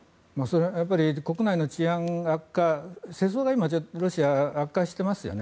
国内の治安悪化世相が今ロシアは悪化していますよね。